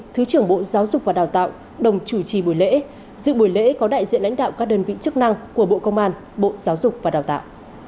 thứ trưởng bộ giáo dục và đào tạo đồng chủ trì buổi lễ dự buổi lễ có đại diện lãnh đạo các đơn vị chức năng của bộ công an bộ giáo dục và đào tạo